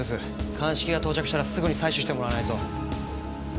鑑識が到着したらすぐに採取してもらわないと。